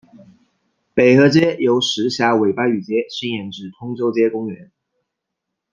北河街由石硖尾巴域街伸延至通州街公园。